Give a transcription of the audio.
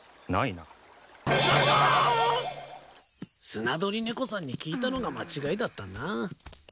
スナドリネコさんに聞いたのが間違いだったな。